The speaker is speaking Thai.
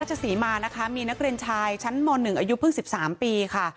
ศรีมานะคะมีนักเรียนชายชั้นม๑อายุเพิ่ง๑๓ปีค่ะ